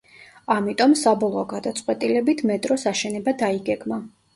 ამიტომ, საბოლოო გადაწყვეტილებით, მეტროს აშენება დაიგეგმა.